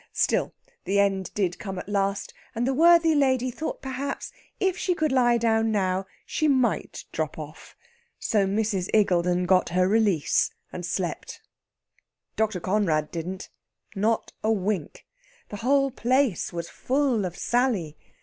Still, the end did come at last, and the worthy lady thought perhaps if she could lie down now she might drop off. So Mrs. Iggulden got her release and slept. Dr. Conrad didn't, not a wink. The whole place was full of Sally.